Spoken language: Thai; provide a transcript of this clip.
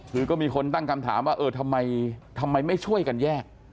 คือก็มีคนตั้งคำถามว่าเออทำไมไม่ช่วยกันแยก